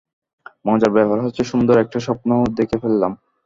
মজার ব্যাপার হচ্ছে, সুন্দর একটা স্বপ্নও দেখে ফেললাম।